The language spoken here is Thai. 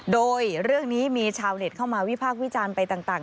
โดยเรื่องนี้มีชาวเน็ตเข้ามาวิพากษ์วิจารณ์ไปต่าง